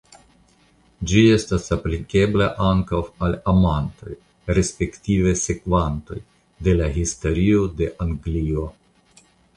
Ĝi estas aplikebla ankaŭ al amantoj (respektive sekvantoj) de la Historio de Anglio.